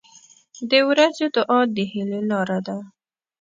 • د ورځې دعا د هیلې لاره ده.